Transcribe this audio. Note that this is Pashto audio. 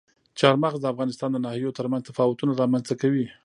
چار مغز د افغانستان د ناحیو ترمنځ تفاوتونه رامنځته کوي.